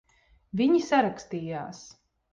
Viņi sarakstījās.